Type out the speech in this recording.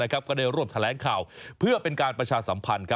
ก็ได้ร่วมแถลงข่าวเพื่อเป็นการประชาสัมพันธ์